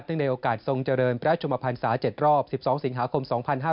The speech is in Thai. ในโอกาสทรงเจริญพระชมพันศา๗รอบ๑๒สิงหาคม๒๕๕๙